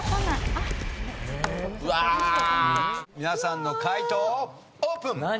皆さんの解答をオープン！